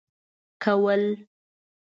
كول.